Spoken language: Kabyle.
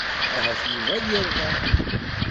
Ahat Yuba ad yerbeḥ.